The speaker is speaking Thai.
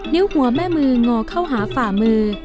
นิ้วหัวแม่มืองอเข้าหาฝ่ามือ